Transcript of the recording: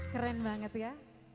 keren banget ya